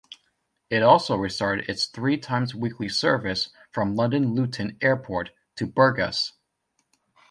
It also restarted its three-times-weekly service from London Luton Airport to Burgas.